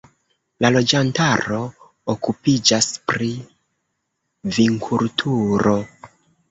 La loĝantaro okupiĝas pri vinkulturo.